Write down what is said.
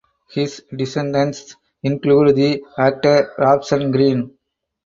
His descendants include the actor Robson Green.